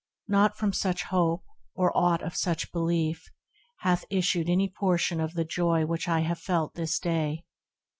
Not from such hope, or aught of such belief, 22 THE RECLUSE Hath issued any portion of the joy Which I have felt this day.